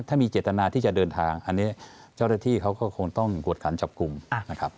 ถ้ามีเจตนาที่จะเดินทางอันนี้เจ้าหน้าที่เขาก็คงต้องกวดขันจับกลุ่มนะครับ